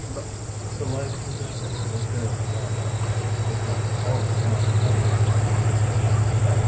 The light in this room was very dim. It was all beyond Ellen's imagination.